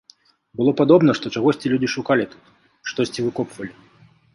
Было падобна, што чагосьці людзі шукалі тут, штосьці выкопвалі.